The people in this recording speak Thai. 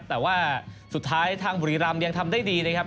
แต่ว่าสุดท้ายทางบุรีรำยังทำได้ดีนะครับ